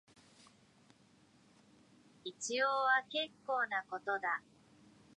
一応は結構なことだ